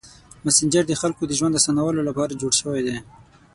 مسېنجر د خلکو د ژوند اسانولو لپاره جوړ شوی دی.